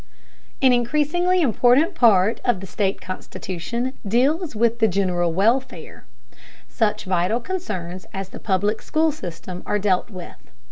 An increasingly important part of the state constitution deals with the general welfare. Such vital concerns as the public school system are dealt with.